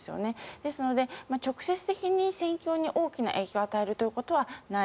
ですので、直接的に戦況に大きな影響を与えるということはない。